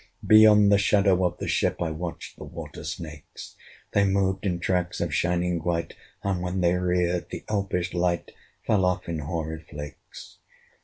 Beyond the shadow of the ship, I watched the water snakes: They moved in tracks of shining white, And when they reared, the elfish light Fell off in hoary flakes.